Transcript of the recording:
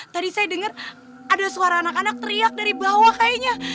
tadi saya dengar ada suara anak anak teriak dari bawah kayaknya